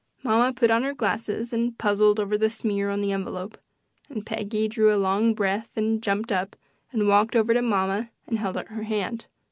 Mamma put on her glasses and puzzled over the smear on the envelope, and Peggy drew a long breath and jumped up and walked over to mamma and held out her hand.